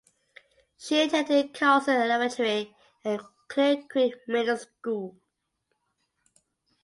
She attended Carlson Elementary and Clear Creek Middle School.